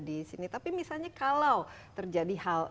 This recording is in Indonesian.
di sini tapi misalnya kalau terjadi hal